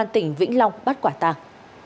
công an tỉnh vĩnh long bắt quả tàng